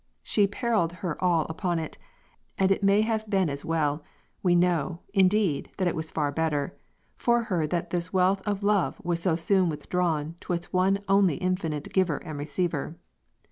She periled her all upon it, and it may have been as well we know, indeed, that it was far better for her that this wealth of love was so soon withdrawn to its one only infinite Giver and Receiver.